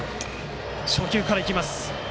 初球からいきます。